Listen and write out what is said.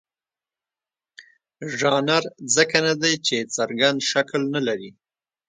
ژانر ځکه نه دی چې څرګند شکل نه لري.